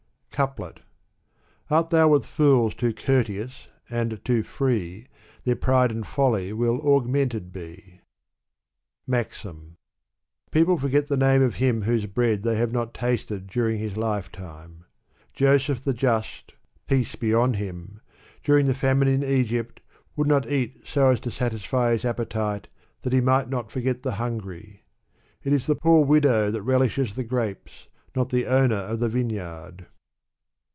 CoupUt. Art thou with fools too courteous and too free, Their pride and folly will augmented be. MAXIM. People forget the name of him whose bread they have not tasted during his lifetime. Joseph the just (Peace be on him!), during the femine in Egypt, would not eat so as to satisfy his appetite, that he might not forget the hungry. It is the poor widow that relishes the grapes, not the owner of the vine yard.